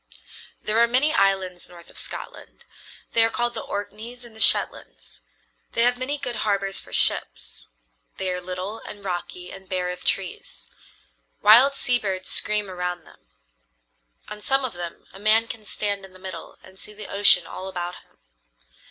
There are many islands north of Scotland. They are called the Orkneys and the Shetlands. They have many good harbors for ships. They are little and rocky and bare of trees. Wild sea birds scream around them. On some of them a man can stand in the middle and see the ocean all about him.